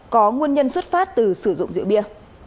có nguồn nhân xuất phát từ sử dụng rượu bia